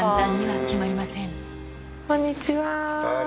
はいこんにちは。